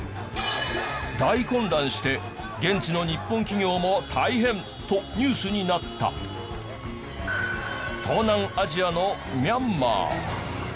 大混乱して現地の日本企業も大変！とニュースになった東南アジアのミャンマー。